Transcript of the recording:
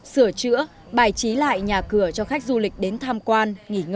sửa chữa bài trí lại nhà cửa cho khách du lịch đến tham quan